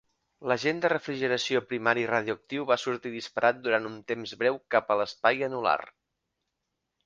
L'agent de refrigeració primari radioactiu va sortir disparat durant un temps breu cap a l'espai anular.